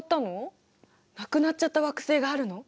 なくなっちゃった惑星があるの？